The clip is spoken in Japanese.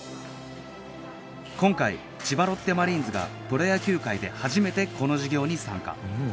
今回千葉ロッテマリーンズがプロ野球界で初めてこの事業に参加